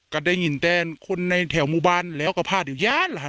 จะได้ยินแต่คนในแถวมุบันแล้วก็พาดอยู่ย้าละ